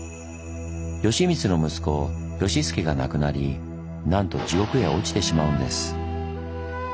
善光の息子善佐が亡くなりなんと地獄へ落ちてしまうんです。